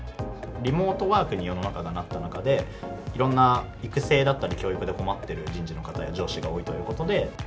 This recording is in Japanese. リモートワークに世の中がなった中で、いろんな育成だったり、教育で困ってる人事の方や上司が多いということで。